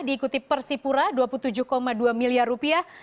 diikuti persipura dua puluh tujuh dua miliar rupiah